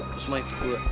terus maik tuh gua